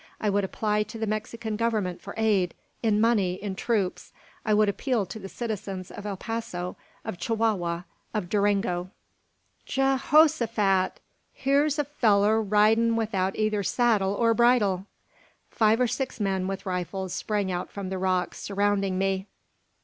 I would apply to the Mexican Government for aid, in money in troops. I would appeal to the citizens of El Paso, of Chihuahua, of Durango. "Ge hosaphat! Hyur's a fellur ridin' 'ithout eyther saddle or bridle!" Five or six men with rifles sprang out from the rocks, surrounding me.